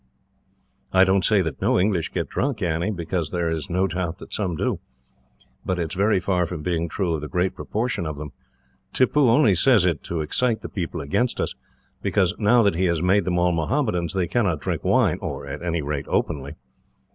"I don't say that no English get drunk, Annie, because there is no doubt that some do. But it is very far from being true of the great proportion of them. Tippoo only says it to excite the people against us, because, now that he has made them all Mohammedans, they cannot drink wine at any rate, openly.